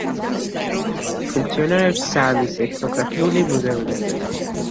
ფუნქციონირებს საამის ეთნოგრაფიული მუზეუმი.